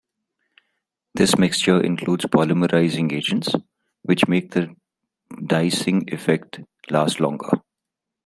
This mixture includes polymerising agents, which make the deicing effect last longer.